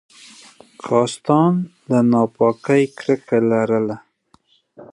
کاستان له ناپاکۍ کرکه لرله.